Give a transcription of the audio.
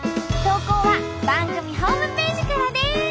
投稿は番組ホームページからです！